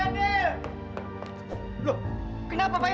saya yakinkan apa apa